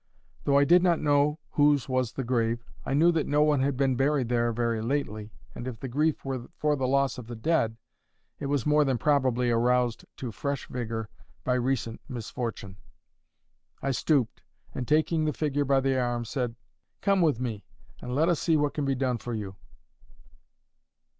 Though I did not know whose was the grave, I knew that no one had been buried there very lately, and if the grief were for the loss of the dead, it was more than probably aroused to fresh vigour by recent misfortune. I stooped, and taking the figure by the arm, said, "Come with me, and let us see what can be done for you."